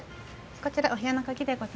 こちらお部屋の鍵でございます。